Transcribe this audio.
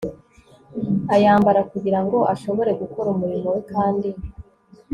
ayambara kugira ngo ashobore gukora umurimo we kandi